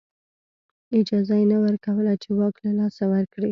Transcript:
اجازه یې نه ورکوله چې واک له لاسه ورکړي